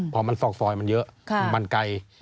พอมันซอกซอยมันเยอะมันไกล